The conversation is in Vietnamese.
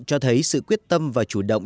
cho thấy sự quyết tâm và chủ động